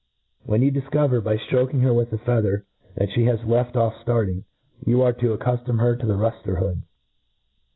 When you difco yer, by ^ftrpking her with a feather, that (he has left oflF ftarting, yqu ai:^ to accuftom her to the ruftqr; hop4.